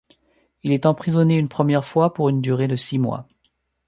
Il est emprisonné une première fois, pour une durée de six mois.